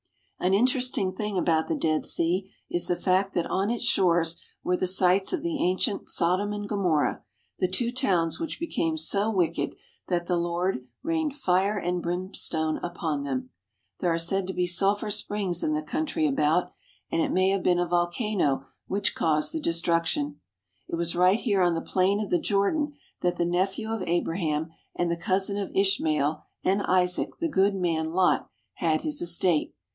An interesting thing about the Dead Sea is the fact that on its shores were the sites of the ancient Sodom and Gomorrah, the two towns which became so wicked that the Lord rained fire and brimstone upon them. There are said to be sulphur springs in the country about, and it may have been a volcano which caused the destruction. It was right here on the plain of the Jordan that the nephew of Abraham and the cousin of Ishmael and Isaac, the good man Lot, had his estate.